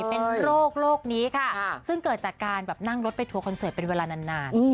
เป็นโรคโรคนี้ค่ะซึ่งเกิดจากการแบบนั่งรถไปทัวร์คอนเสิร์ตเป็นเวลานาน